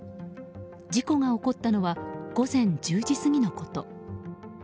事故が起こったのは午前１０時過ぎのこと。